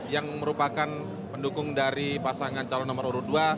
yang merupakan pendukung dari pasangan calon nomor urut dua